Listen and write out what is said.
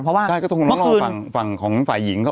ใช่ต้องรอนน้องฝั่งของฝ่ายหญิงเขาออกมา